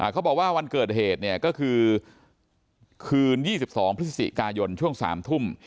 เขาบอกว่าวันเกิดเหตุเนี่ยก็คือคืน๒๒พฤศจิกายนช่วง๓ทุ่ม